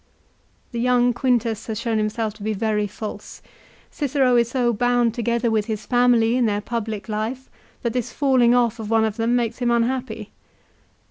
1 The young Quintus has shown himself to be very false. Cicero is so bound together with his family in their public life that this falling off of one of them makes him unhappy.